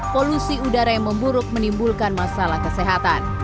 polusi udara yang memburuk menimbulkan masalah kesehatan